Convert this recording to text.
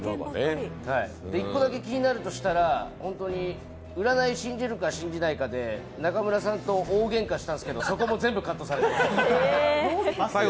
１個だけ気になるとすれば占いを信じるか信じないかで中村さんと大げんかしたんですけど、そこも全部カットされていました。